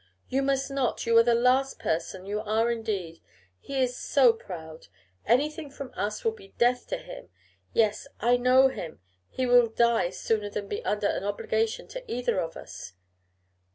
'You must not. You are the last person, you are indeed. He is so proud! Anything from us will be death to him. Yes! I know him, he will die sooner than be under an obligation to either of us.